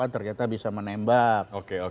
antar kita bisa menembak